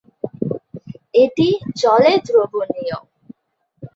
এটি জলে দ্রবণীয়।